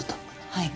はい。